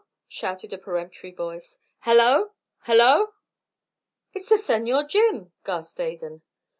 shouted a peremptory voice. "Hallo! Hallo!" "It's the Senor Jim," gasped Adan.